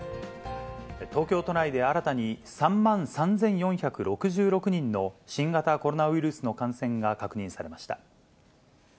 東京都内で新たに、３万３４６６人の新型コロナウイルスの感染が確認されました。